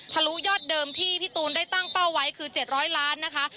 ลุยอดเดิมที่พี่ตูนได้ตั้งเป้าไว้คือ๗๐๐ล้านนะคะ